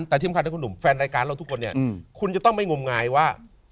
แต่ที่สำคัญนะคุณหนุ่มแฟนรายการเราทุกคนเนี่ยคุณจะต้องไม่งมงายว่า